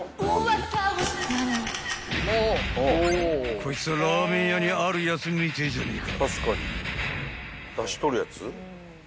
［こいつはラーメン屋にあるやつみてえじゃねえか］